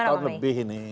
satu tahun lebih ini